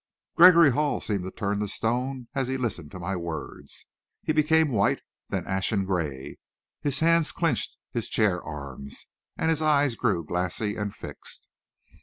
Gregory Hall seemed to turn to stone as he listened to my words. He became white, then ashen gray. His hands clinched his chair arms, and his eyes grew glassy and fixed.